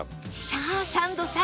さあサンドさん